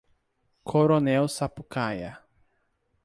Coronel Sapucaia